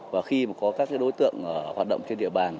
và khi mà có các đối tượng hoạt động trên địa bàn